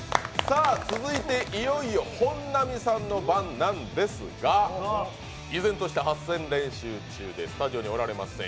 続いて、いよいよ本並さんの番ですが依然として発声練習中でスタジオにおられません。